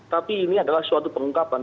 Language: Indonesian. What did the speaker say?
tapi ini adalah suatu pengungkapan